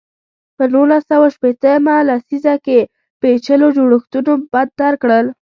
په نولس سوه شپېته مه لسیزه کې پېچلو جوړښتونو بدتر کړل.